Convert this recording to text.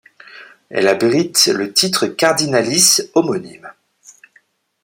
Elle abrite le titre cardinalice homonyme.